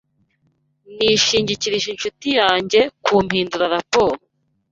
Nishingikirije inshuti yanjye kumpindura raporo.